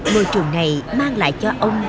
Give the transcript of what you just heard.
môi trường này mang lại cho ông